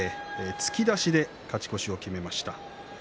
突き出しで勝ち越しを決めました。